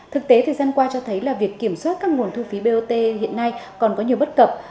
thực tế thời gian qua cho thấy là việc kiểm soát các nguồn thu phí bot hiện nay còn có nhiều bất cập